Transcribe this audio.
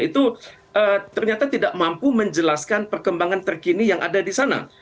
itu ternyata tidak mampu menjelaskan perkembangan terkini yang ada di sana